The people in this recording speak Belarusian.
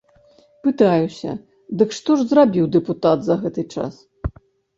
Пытаюся, дык што ж зрабіў дэпутат за гэты час?